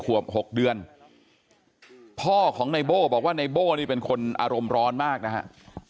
ขวบหกเดือนพ่อของในโบ๊ะบอกว่าในโบ๊ะนี่เป็นคนอารมรอนมากนะครับ